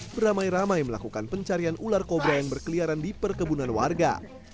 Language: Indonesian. beramai ramai melakukan pencarian ular kobra yang berkeliaran di perkebunan warga